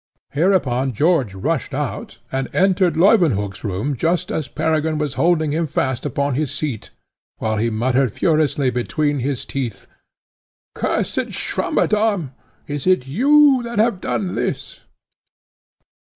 Hereupon George rushed out and entered Leuwenhock's room just as Peregrine was holding him fast upon his seat, while he muttered furiously between his teeth, "Cursed Swammerdamm! is it you that have done this?"